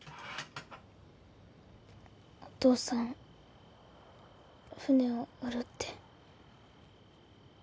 お父さん船を売るって。